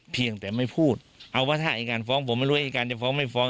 เพียงแต่ไม่พูดเอาว่าถ้าอายการฟ้องผมไม่รู้ว่าอายการจะฟ้องไม่ฟ้อง